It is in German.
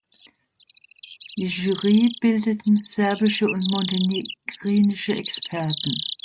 Die Jury bildeten serbische und montenegrinische Experten.